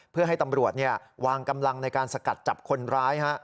เพื่อให้ตำรวจวางกำลังในการสกัดจับคนร้าย